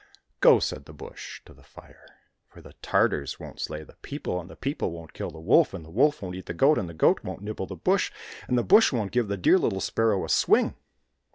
—" Go !" said the bush, " to the fire, for the Tartars won't slay the people, and the people won't kill the wolf, and the wolf won't eat the goat, and the goat won't nibble the bush, and the bush won't give the dear little sparrow a swing."